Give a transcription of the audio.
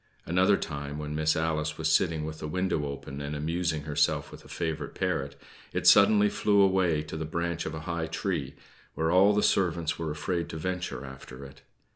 Another time, when Miss Alice was sitting with the window open and amusing herself with a favorite parrot, it suddenly flew away to the branch of a high tree, where all the servants were afraid to venture after it.